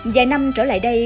vài năm trở lại đây